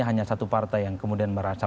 hanya satu partai yang kemudian merasa